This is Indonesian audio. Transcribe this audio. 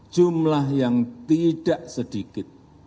jumlah yang tidak sedikit